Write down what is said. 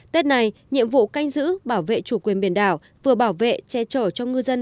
tết này nhiệm vụ canh giữ bảo vệ chủ quyền biển đảo vừa bảo vệ che chở cho ngư dân